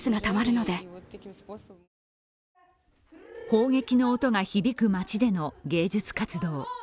砲撃の音が響く街での芸術活動。